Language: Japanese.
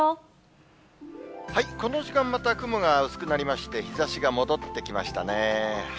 この時間、また雲が薄くなりまして、日ざしが戻ってきましたね。